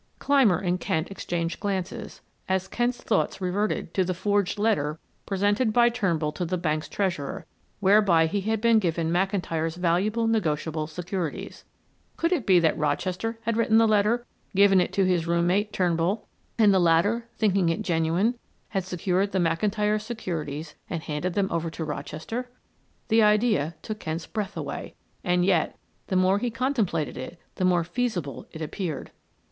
Clymer and Kent exchanged glances, as Kent's thoughts reverted to the forged letter presented by Turnbull to the bank's treasurer, whereby he had been given McIntyre's valuable negotiable securities. Could it be that Rochester had written the letter, given it to his room mate, Turnbull, and the latter, thinking it genuine, had secured the McIntyre securities and handed them over to Rochester? The idea took Kent's breath away; and yet, the more he contemplated it, the more feasible it appeared.